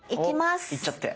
おっいっちゃって。